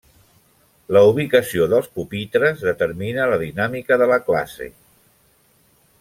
La ubicació dels pupitres determina la dinàmica de la classe.